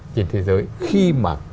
trên thế giới khi mà